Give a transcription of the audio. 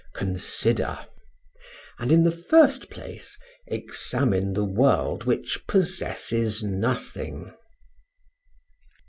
Consider! And, in the first place, examine the world which possesses nothing.